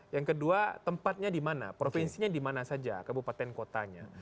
yang kedua tempatnya di mana provinsinya di mana saja kabupaten kotanya